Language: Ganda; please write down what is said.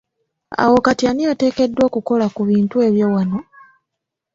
Awo kati ani ateekeddwa okukola ku ebintu ebyo wano?